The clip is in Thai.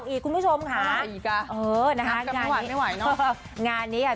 อีกคุณผู้ชมหาเอำกับผู้ว่าไม่ไหวเนอะ